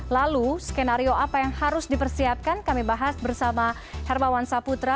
lalu skenario apa yang harus dipersiapkan kami bahas bersama hermawan saputra